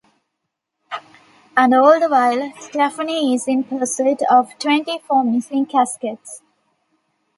And all the while, Stephanie is in pursuit of twenty-four missing caskets.